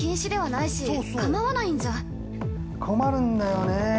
◆困るんだよね。